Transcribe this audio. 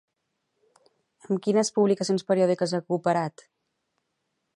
Amb quines publicacions periòdiques ha cooperat?